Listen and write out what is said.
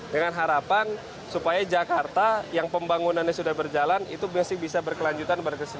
dengan harapan supaya jakarta yang pembangunannya sudah berjalan itu masih bisa berkelanjutan